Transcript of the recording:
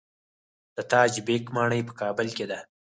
د تاج بیګ ماڼۍ په کابل کې ده